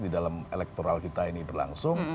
di dalam elektoral kita ini berlangsung